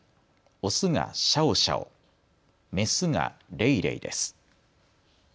オスがシャオシャオ、メスがレイレイです。